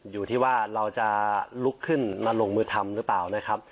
อยู่ที่ว่าเราจะลุกขึ้นมาลงมือทำหรือเปล่านะครับ